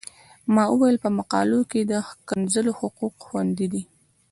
ما ویل په مقالو کې د ښکنځلو حقوق خوندي دي.